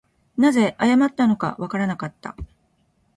何故謝ったのかはわからなかった